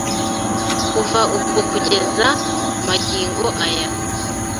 Kuva ubwo kugeza magingo aya